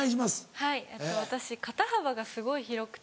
はいえっと私肩幅がすごい広くて。